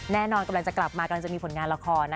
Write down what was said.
กำลังจะกลับมากำลังจะมีผลงานละคร